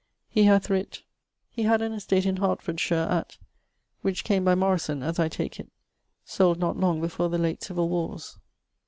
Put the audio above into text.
He hath writt.... He had an estate in Hertfordshire, at ..., which came by Morrison (as I take it); sold not long before the late civill warres.